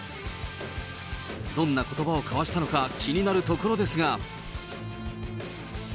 どんなことばを交わしたのか気になるところですが。